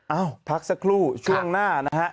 เอ้าพักสักครู่ช่วงหน้านะฮะ